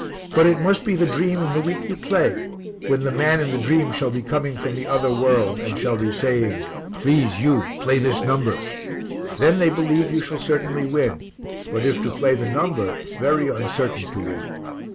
But it must be the dream in the week you play. When the man in the dream shall be coming from the other world and shall be saying, 'Please you, play this number,' then they believe you shall certainly win. But if to play the number, very uncertain to win."